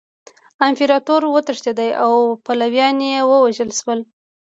امپراطور وتښتید او پلویان یې ووژل شول.